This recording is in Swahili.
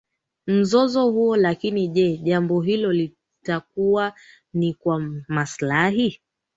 mzozo huo Lakini jee jambo hilo litakuwa ni kwa maslahi